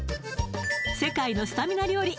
世界のスタミナ料理